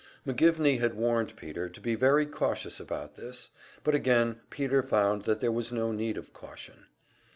McGivney had warned Peter to be very cautious about this, but again Peter found that there was no need of caution.